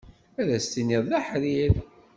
Ad as-tiniḍ d aḥrir.